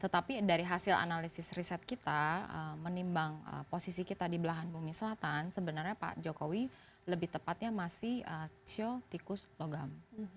tetapi dari hasil analisis riset kita menimbang posisi kita di belahan bumi selatan sebenarnya pak jokowi lebih tepatnya masih siotikus logam